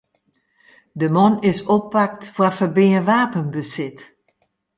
De man is oppakt foar ferbean wapenbesit.